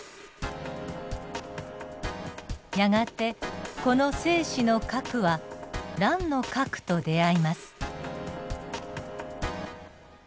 やがてこの精子の核は卵の核と出会います。